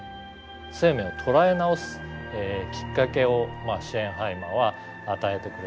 生命を捉え直すきっかけをシェーンハイマーは与えてくれたわけなんですね。